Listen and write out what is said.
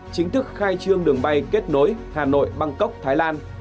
chính thức khai trương đường bay kết nối hà nội băng cốc thái lan